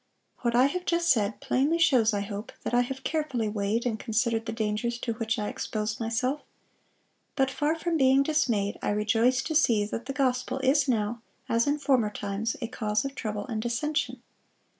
"What I have just said plainly shows, I hope, that I have carefully weighed and considered the dangers to which I expose myself; but far from being dismayed, I rejoice to see that the gospel is now, as in former times, a cause of trouble and dissension.